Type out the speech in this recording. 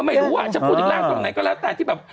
ไม่รู้ว่าจะพูดถึงร่างตรงไหนก็แล้วแต่ที่แบบ